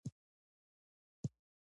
افغانستان د خپلو اوښانو له امله شهرت لري.